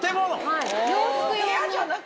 はい。